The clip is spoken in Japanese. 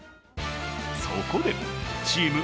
そこでチーム